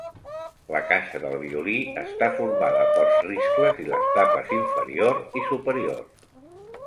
La caixa del violí està formada pels riscles i les tapes inferior i superior.